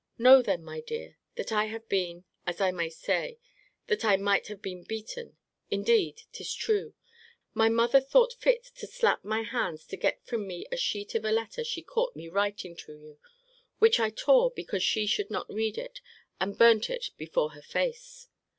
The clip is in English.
Know then, my dear, that I have been as I may say that I have been beaten indeed 'tis true. My mother thought fit to slap my hands to get from me a sheet of a letter she caught me writing to you; which I tore, because she should not read it, and burnt it before her face.